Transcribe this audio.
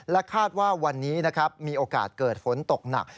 คาดว่าวันนี้นะครับมีโอกาสเกิดฝนตกหนัก